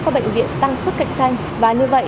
các bệnh viện tăng sức cạnh tranh và như vậy